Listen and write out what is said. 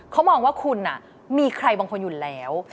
เขามองว่าคุณมีใครบางคนอยู่แล้ว